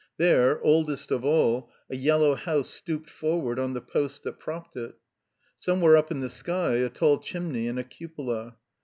There, oldest of all, a yellow house stooped forward on the posts that propped it. Somewhere up in the sky a tall chimney and a cupola.